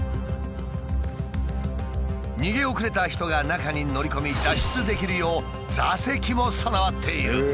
逃げ遅れた人が中に乗り込み脱出できるよう座席も備わっている。